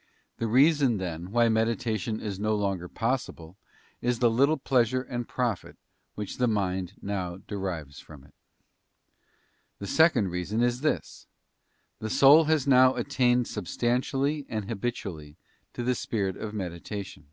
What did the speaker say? '* The reason, then, why meditation is no longer possible, is the little pleasure and profit which the mind now derives from it. y% The second reason is this: the soul has now attained substantially and habitually to the spirit of meditation.